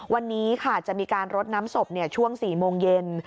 วันนี้ค่ะจะมีการรดน้ำศพช่วง๔โมงเย็น